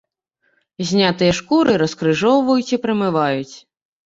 Знятыя шкуры раскрыжоўваюць і прамываюць.